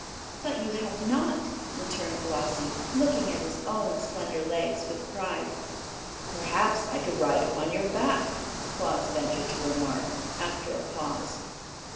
"But you have not," returned Glossie, looking at his own slender legs with pride. "Perhaps I could ride upon your back," Claus ventured to remark, after a pause.